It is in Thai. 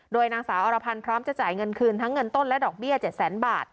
โดยนางสาวอรพันธ์พร้อมจะจ่ายเงินคืนทั้งเงินต้นและดอกเบี้ย๗แสนบาท